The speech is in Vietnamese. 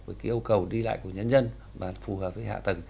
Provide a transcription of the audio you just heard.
với cái yêu cầu đi lại của nhân dân mà phù hợp với hạ tầng